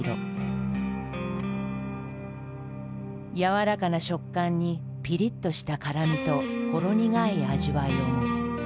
やわらかな食感にピリッとした辛みとほろ苦い味わいを持つ。